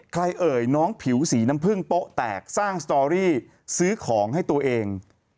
เอ่ยน้องผิวสีน้ำผึ้งโป๊ะแตกสร้างสตอรี่ซื้อของให้ตัวเอง